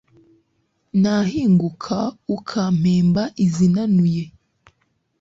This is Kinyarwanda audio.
nahinguka ukampemba izinanuye